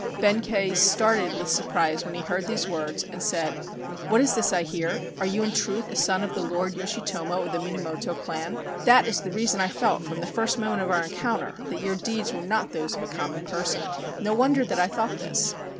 Benkei started with surprise when he heard these words and said: "What is this I hear? Are you in truth a son of the Lord Yoshitomo of the Minamoto clan? That is the reason I felt from the first moment of our encounter that your deeds were not those of a common person. No wonder that I thought this!